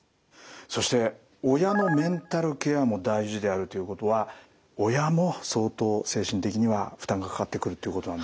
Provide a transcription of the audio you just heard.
そして「親のメンタルケアも大事」であるということは親も相当精神的には負担がかかってくるっていうことなんですね。